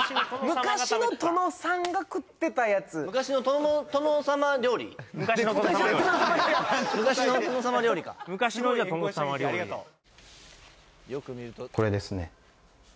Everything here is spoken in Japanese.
昔の殿さんが食ってたやつ昔の殿様料理昔の殿様料理か昔の殿様料理ありがとうこれ？